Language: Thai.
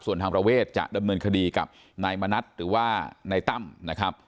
ส่วนทางประเวทจะดำเนินคดีกับนายมณัฐหรือว่านายตั้มนะครับ